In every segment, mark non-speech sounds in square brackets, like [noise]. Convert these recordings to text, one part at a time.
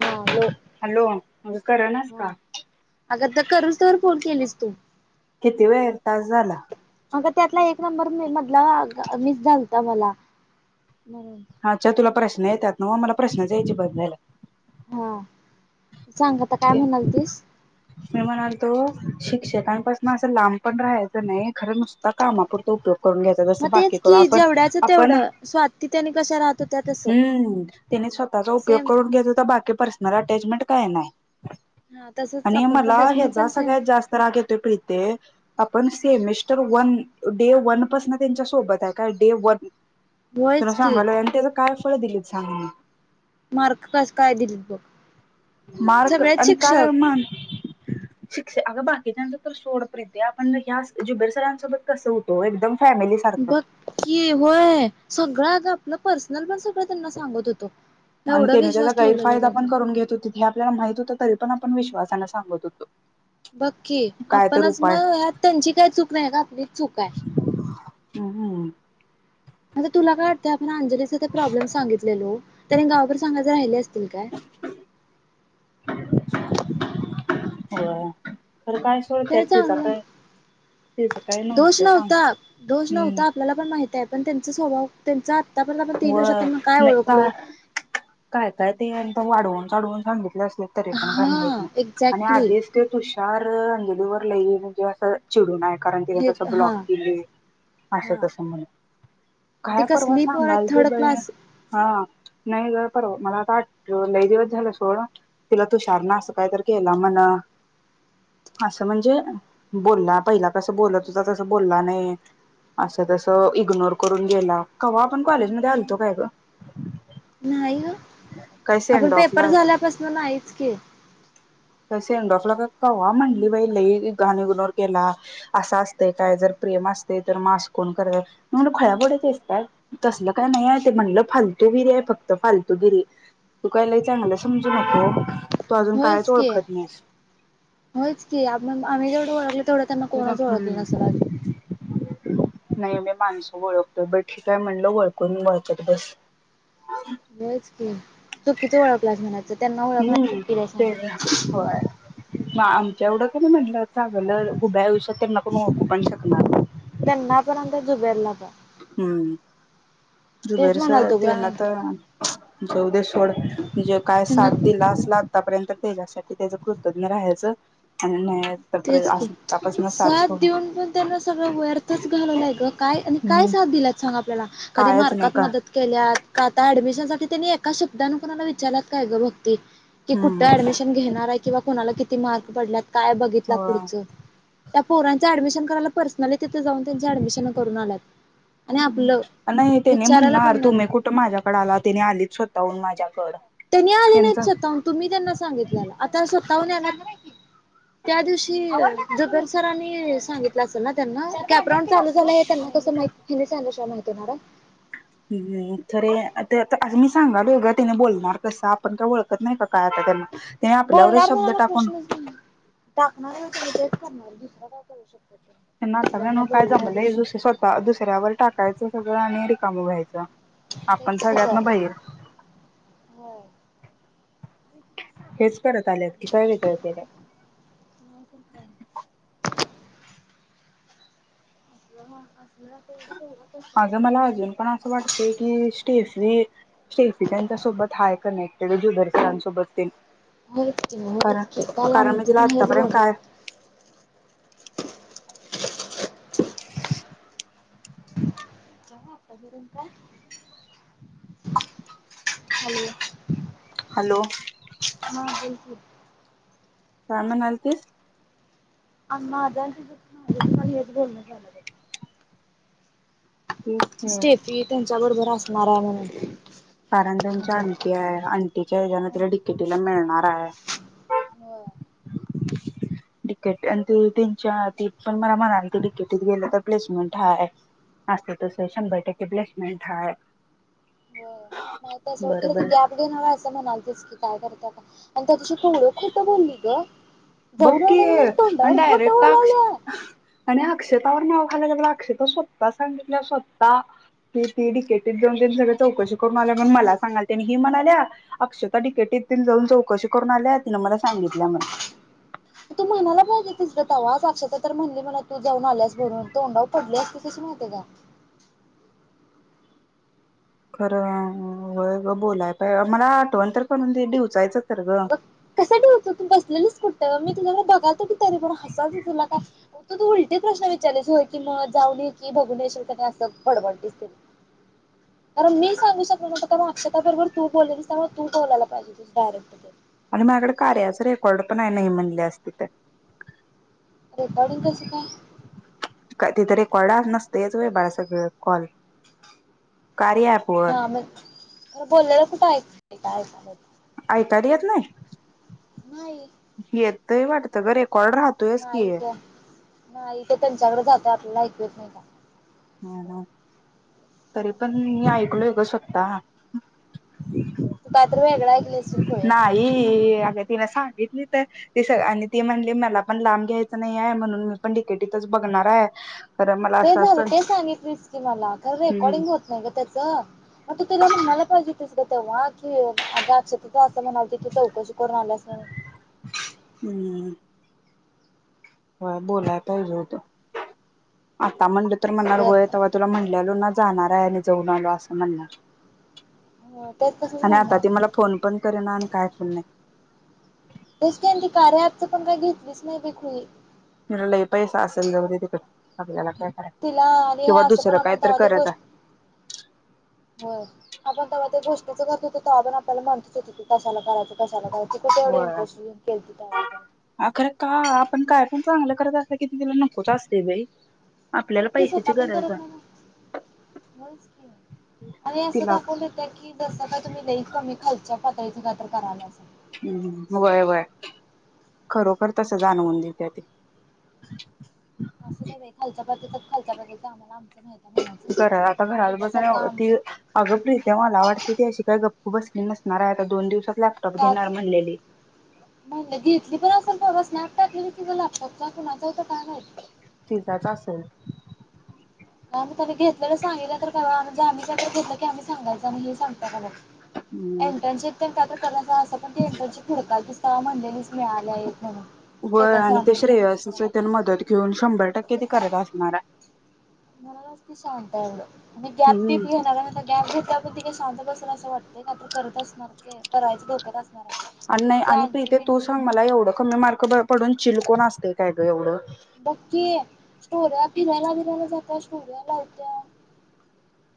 हा low hello करणं आहेस का? अग तर करूच तवर फोल केलीस तू. किती वेळ तास झाला अग त्यातला एक नंबर म मधला मिस झालता मला म्हणून अच्छा तुला प्रश्न येतात नवं मला प्रश्नच यायची बंद झाल्या हा सांगत आता काय ते म्हणाल तीस? मी म्हणालतो शिक्षकांपासून असं लांब पण राहायचं नाही खरं नुसतं कामापुरत उपयोग करून घ्याय स मग बाकी तेच करू की आपण जेवढ्याचं आपण तेवढं स्वाती त्यानी कशा राहत होत्या तसं. हम्म. त्यानी स्वतःचा उपयोग सेम करून घेत होता बाकी पर्सनल अटॅचमेंट काय नाही. हा तसंच आणि आपण पण मला त्याच मी पण ह्याचा सेम सगळ्यात जास्त राग येतोय प्रिते आपण सेमिस्टर वन डे वनपसन त्यांच्या सोबत आहे काय डे वन तुला होयच की सांगालोय आणि त्याच काय फळ दिलीत सांग ह्यांनी. मार्क कस काय दिलीत बघ? मार्क सगळेच आणि काय शिक्षक वि मान शिक्षक अग बाकीच्याच तर सोड प्रिते आपण ह्या जुबेर सरांसोबत कस होतो एकदम फॅमिली सारखं बक्की होय सगळ आपण म पर्सनल पण सगळं त्यांना सांगत होतो म आणि एवढा त्याने त्याचा विश्वास ठेवलेला गैरफायदा त्यांचा पण घेत हुती. हे आपल्याला माहित होतं तरी पण आपण विश्वासाने सांगत होतो. बघ की काय तर आपणच उपाय मगत त्यांची काय चूक नाही ग आपली चूक आहे. हम्म. आता तुला काय वाटतं आपण अंजलीचा ते प्रॉब्लेम सांगितलेलो त्याने गावभर सांगायचे राहिले असतील काय? हो खरं काय त्याने सतत तिचं चांगलं काय तिचं काय दोष नव्हत सांग नव्हता. दोष हम्म. नव्हता आपल्याला पण माहित आहे, पण त्यांचा स्वभाव त्यांच आता पर्यंत आपण तीन वर्षात होय त्यांना काय नाही का ओळखलो? काय काय ते एकदम वाढवून चाढवून सांगितले असल. तरी पण काय माहित हा नाही आणि एक्झॅक्टली आधीच ते तुषार, अंजलीवर लई म्हणजे असं चिडून कारण हे तिस ब्लॉक हा केली अस हा तस म्हण ते काय परवा कसली पोर आहेत सांगाल ते थर्ड बई. क्लास हा नाही ग पर मला काट लय दिवस झालं सोडं तिला तू शारणा असं काय तर केला मण असं म्हणजे बोलला पहिला कसं बोललं तुझ तसं बोलला नाही असं तस इग्नोर करून गेला कवा्हा आपण कॉलेजमध्येध्ये आलतो काय ग नाही हो काय आपण सेंड पेपर ऑफला झाल्यापासन नाहीच की कसेेंडोफला का कवा म्हणली बाई लई गाणी इग्नोर केला असं असतंय काय जर प्रेम असते तर मास कोण करत म्हून खळ्यापोड्याचे असतात तसलं काय नाही आहे ते म्हणलं फालतूगिरी आहे फक्त फालतूगिरी तू कायलाही चांगलं समजू नको तू अजून कायच ओळख होच की आप आम्ही जेवढं ओळखल तेवढं त्यांना कोणाच ओळखलं हम्म नसेल अजून नाही मी माणसू ओळखतोय ब ठीकय म्हणल ओळखून वळखत बस ह बच क तू कितीं ळखलास म्हणाचं त्यांना ओळख चुपकीला आहे सां हो मग आमच्या एवढं का नाही म्हटलं चांगलं उभ्या आयुष्यात त्यांना कोण ओकू पण शकणार नाही त्यांना पर्यंत झुबेर ला प हम्म तेच दुबेरस म्हणालतो ग ते ना आता णजे उद्या सोड म्हणजे काय त्यांना सात दि लाच लाग तापर्यंत त्याच्यासाठी त्याच कृतज्ञ राहायचं आणि तेच की साथ देऊन पण त्यांना सगळं वयर्थच घालवलंय ग काय आणि काय साथ दिलात सांग आपल्याला कधी कायच नाही मार्कात का मदत केल्यात का आता ॲडमिशनसाठी त्यांनी एका शब्दनें कोुणाला विचारत काय गं बघ क कुठ हम्म ऍडमिशन घे किंवा कणा किती मार्क पड काय हो लाडचं त्या पोरांचं ऍडमिशन करायला पर्सनली तिथं जाऊन त्यां ऍडमिशन करून आल्यात आणि आपलं नाही त्याने विचारायला पण म्हणणार नाही तुम्ही कुठं माझ्याकडे आला तने आलीच स्वतःहून माझ्याकड त्यांनी त्यांचं आलेलेच आता. तुम्ही त्यांना सांगितल्याला आता स्वतःहून याल्यात आला त्या दिवशी [unintelligible] सरांनी सांगितलं असेल ना त्यांना कॅपराऊंड चालू झालंय हे त्यांना कस माहित हेनी सांगितल्या शिवाय माहित होणार हाय. हुं खरे आते आता अस मी सांगालोय गं तिने बोलणार कसं आपण काय ओळ- तर नाहीका काय आता त्यांना ते आपल्यावरच बोलणार शब्द म्हणायला टाकून- प्रश्नच नाही टाकणार हाय तेन्ही तेच करणार दुसर काय करू शक- त्यांना आत्ता काय नव्ह काय जमलंय दुस स्वतः दुसऱ्यावर टाकायचं सगळं आणि रिकाम व्हायच. आपण तेच की तर सगळ्यांत्यन बहीर. होय वेगळं केलंय [inaudible] [inaudible] अगं मला अजून पण असं वाटतंय की स्टेफी स्टेफी त्यांच्या सोबत हाय काय नाय. ते गं जूदर सरां सोबततेन- होयचकी मंग होयचकी काल आ- मी तिला आतापर्यंत काय आहो आत्ता करून काय- हॅलो- हॅलो हा बिलकुल काय म्हणाल ते अ्झझ बोलण्यात झालं तीच स्टेफी त्यांच्या बरोबर असणार आहे म्हणून कारण त्यांच्या अजून. अंटी आहे, अंटीच्या हेज्यान तिला डि के टी ला मिळणार हाय. होय [inaudible] डि के ट आणि ते त्यांच्या ती पण मला म्हणाली की, डि के टी त गेलं तर प्लेसमेंट हाय. आसतय तस शंभर टक्के ब्लेशमेंन्ट हाय. बर माह तस तर बरं बरं ती अँप तू ते नव्ह असं म्हणालतीस की काय करता कुणा आणि त्या दिवशी केव्हढ खोट बोलली गं बघ जाऊन की आलोय म्हणून आणि तोंडावर खोट डायरेक्ट टाक बोलल्या. आणि अक्षतावर ना- ती ती डी के टीत जाऊनतेन सगळ चौकशी करून आल्या म्हणून मला सांगालती आणि ही म्हणाल्या- अक्षता डि के टी तीन जाऊन चौकशी करून आल्या तिन मला सांगितल्या म्हण- तू म्हण- पडली असतीस कशी माहितेय काय. खरं अं होय गं बोलाय पाय मला आठवण तर करून दि डिवचायचं- तर ग अंग कस डिवचू तू बसलेलीस कुठ मी तुझ्याकडे बघालतो की तरी पण हासलतो तुला का- ऊगच तू उलटी प्रश्न विचारलेस होय की मग, जाऊन येकी, बघुन येशील काय नाय, असं बडबडलीस तेन- कारण मी सांगू शकलो नव्हतो कारण अक्षता बरोबर तू बोलेलीस त्यामुळे तू बोलाला पाहिजे- तूच डारेक्टतेन- आणि माझ्याकडे कार्याच रेकॉर्ड पण आहे नाही म्हणली असती तर. रेकॉर्डिंग कसं काय? काय तिथ रेकॉर्ड आं नसयतंच व्हय बाळा सगळं कॉल- कार्या ऍप वर हां म्ह- आयकाय येत नाय? नाही- येतय वाटतं गं रेकॉर्ड राह- नाही गं नाही ते त्यांच्याकडे जातय आपल्याला ऐकू येत नाही काय. हां हां तरी पण मी ऐकलोय गं स्वतः. तू कायतर वेगळ ऐकली अशीलं खुळे. यें अगं तिन सांगितली तर- ती सग आणि ती म्हणली मला पण लांब घ्यायचं नाहींय म्हणून मी पण डि के टी तच बघणारहाय. ते झालं ते सांगितलीस कि मला खर हम्म रेकॉर्डिंग हो- गताच म तला नेलपगेतच ग वाकी अ गाच तिथं असं म्हणाल त त चौकशी करून आल्यास हम्म हो बोलायला पाहिजे होत आता म्हणलं तर असू म्हणा दे वयेत तुला म्हणल्यालो ना जाणार आहे आणि जऊन आलो असं म्हणणार आता तेच तसंच आणि आता म्हणणार ते मला फोन पण करे ना आणि काय पण नाही तेच काय ती कार्या आजच पण काय घेतलीच नाही बी खुई म लई पैसा असेल जव त तडे आपल्याला काय कराय तिला आणि किंवा ह असं पण दुसरं काय आपण तर त्याव ते करत गोष्ट आहे हो आपण तेव्हा त्या गोष्टच करत होत तेव्हा पण आपल्याला म्हणतच होती क कशाला करायचं कशाला त कुे एवढे इंटरेटेऊन के अ खरं का आपण काय पण चांगलं करत असत किती तिला नकोच असते बाई आपल्याला बघकीस होता पैशाची आपण गरज करत आहे ना नाच अरेत तिला आप कि जसं का तुम्ही लई कमी खालच्या पातळीथ काातर करायला असल हम्म वय वय खरोखर तस जाणवून दे त्या ते आसू दे बाई खालच्या पातीच खालच्या बाजूचआम्हाला आम्हच- घरा आता घरात बसून आमचं [inaudible] अगं प्रीत्या मला वाटतय ती अशी काय गप्प बसली नसणार हायआता दोन दिवसात लॅपटॉप घेणार म्हणलेली. म्हणंल घेतली पण असल बर स्नॅप टाकलेली की गं लॅपटॉपचा कुणाचा होता काय माहीत. तिचाच असेल का मग त मी घेतलेलं सांगितलं तर का आम्हीच्या घेतलं की आम्ही सांगायच नाही हे सांगता का मला हम्म एंटर्नशिप त्या क पण ती एंटर्नशिप घड दिस स म्हणलेलीच मिळाल्या आहेत म्ह व आणि ते श्रेयसच त्यांना मदत घेऊन शंभर टक्के त करत असणार आहे मला जास्ती सांगत एवढं, मी गॅप हम्म बीप घेणारे. सगळ्यां घेता पण ति काई शांत बसन असं वाटतं नाही, काही तर करत असणार के, करायचं डोक्यात असणारे. आणि नाही, आणि प्रीते तू सांग मला, एवढं कमी मार्क पडून चिल कोन असतय, काय ग एवढं. बघकीे स्टोर्या फिरायला बिरायला जात्या, स्टोर्या लावत्या.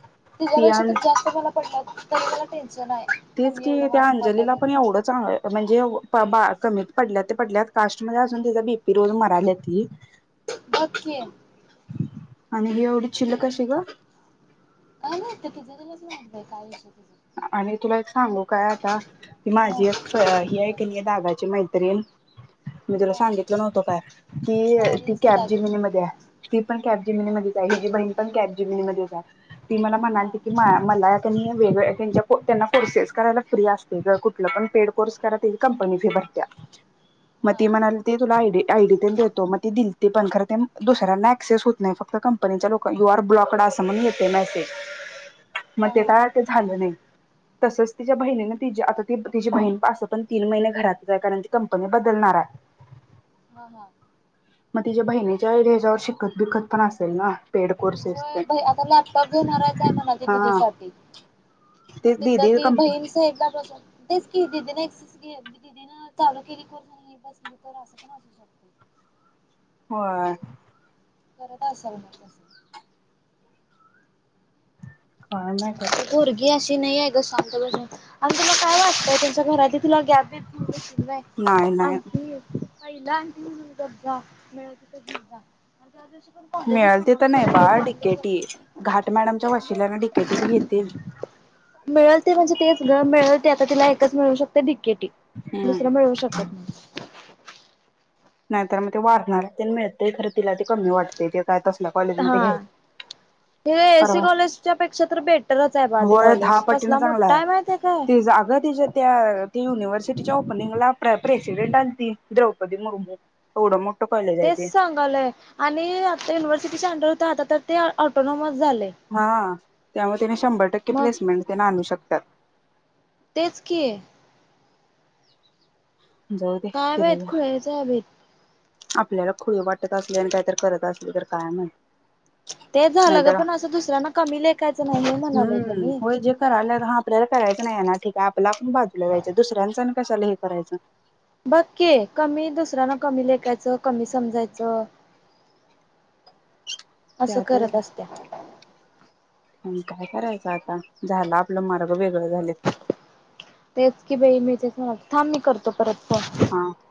ह [inaudible] तच्यापेक्षा तर जास्त मला पडले, तरी मला टेन्शन हाय. तेच की, त्या अंजलीला पण एवढं चांग म्हणजे बा कमीत पडल्या पडल्या, कास्ट मध्ये असून तिचा बीपी रोज मराले ती. बघ की. अनि ही एवढी चील्ल कशी ग. अ नाही तिझं तरलाच नाहीत काय विषय तुझं [unintelligible] आणि तुला एक सांगू काय आता, ती हा माझी हे आहे की नाही दादाची मैत्रिण, मी तुला हा सांगितलं नव्हतो काय? की ती सांगितलीस की कॅब काय तरी जिमिनीमध्ये हाय. ती पण कॅप हा जिमिनीमध्येच आहे, हिची बहीण पण कॅफ जिमिनीमध्येच आहे, ती मला हा म्हणाते की माय मला कनी वेगळ त्यांच्या त्यांना कोर्सेस करायला फ्री असते ग कुठलं पण पेड कोर्स करा, त्याची कंपनी फी भरत्यात. म हा हा ती म्हणल. ते तुला आ आयडी ते देतो, मग ते दिते पण खर ते दुसऱ्यांना ऍक्सेस होत नाही, फक्त कम नी च्या लोकणा युआर ब्लॉकड अस म्हणून येतय मसेज, मग हा ते हा काय झालं नाही. तसंच तिच्या बहिणी ना ति आता त तिची बहीण असं पण तीन महिने घरातच आहे, कारण ती कंपनी बदलणारे. [inaudible] हा हां. म तिच्या बहिणीच्या ह्यावर, शिकत बिकत पण असेल ना. पेड कोर्सेस होय ते भाई आता लॅपटॉप घेणारेच आहे म्हना तीच्या हा दीदीसाठी. मग ते तिथ दिदी ती कंप बहीण तेच की दीदीने चालू केली की. तर असं पन शकत. होय. करत असाल म तस. काय नाही तर. ती पोरगी अशी नाही आहे ग, शांतबसून आन तुला काय वाटत. तुच्या घरात तुला घ्येउल देतील बा नाही नाही आणखी, आहिला आणब् जा मिळते त जा [inaudible] जा जशी पण कॉलेजला मिळलते त सांगत नाही होते बा हे चांगलं डीकेटीये, घाट मॅडमच्या म्हणजे वशिल्यांने डीकेटीत घेतीय ती. मिळलते म्हणजे तेच ग मिळते आता तिला एकच मिळू शकते डिकेटी. हम्म दुसरं मिळवू शकत नाही. नाहीतर मग ते वाारणार मिळत खरं तिला, ते कमी वाटते ते काय तसल्या हा कॉलेजमध्येध्ये घ्यायला. हे एसी कॉलेजच्या पेक्षा तर बेटरच आहे बा, ते कॉलेज कसला मोठाये माहिती का? ते जागा त्याच्या त्या ते युनिव्हर्सिटीच्या ओपनिंगला प्र प्रेसिडेंट आलती द्रौपदी मुर्मू. एवडं मोठ कलेजय तेच तेे. आणि आता युनिव्हर्सिटी अंडर होत, आता तर ते ऑटोनॉमस झालय. हा त्यामुळे त्याने शंभर टक्के, प्लेसमेंट त्यांना आणू शकतात. तेच की. जाऊ दे काय तिला माहित, घ्या. खुळच हाय भेत आपल्याला खुळी वाटत असली, आणि काहीतरी करत असले तर काय माहित. तेच झालं ग नाहीतर पण, असं दुसऱ्यांना कमी लेखायचं नाही हे म्हणालोय ग हम्म मी. होय जे करायला हा आपल्याला करायचं नाहीये ना ठीके, आपल्या आपण बाजूला व्हायच, दुसऱ्यांचंन कशाला हे करायचं. [unintelligible] असं त्यात करत असते प काय करायचं आता झाला आपलं मार्ग वेगळं झाले तेच की बाई मी तेच म्हणा थांब मी करतो परत फोन हां